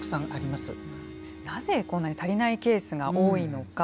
なぜこんなに足りないケースが多いのか。